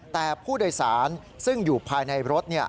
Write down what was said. แต่ผู้โดยสารซึ่งอยู่ภายในรถ